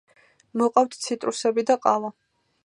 მოყავთ ციტრუსები და ყავა.